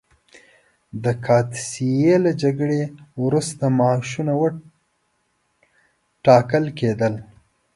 د قادسیې له جګړې وروسته معاشونه ټاکل کېدل.